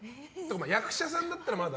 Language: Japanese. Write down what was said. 役者さんだったらまだ。